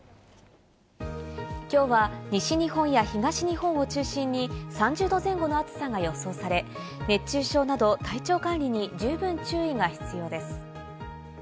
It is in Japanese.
今日は西日本や東日本を中心に３０度前後の暑さが予想され、熱中症など体調管理に十分注意が必要です。